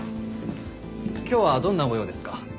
今日はどんなご用ですか？